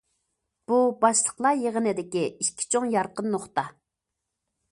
بۇ باشلىقلار يىغىنىدىكى ئىككى چوڭ يارقىن نۇقتا.